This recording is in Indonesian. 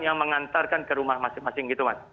yang mengantarkan ke rumah masing masing